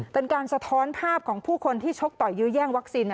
เป็นการสะท้อนภาพของผู้คนที่ชกต่อยยื้อแย่งวัคซีน